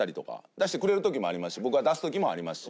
出してくれる時もありますし僕が出す時もありますし。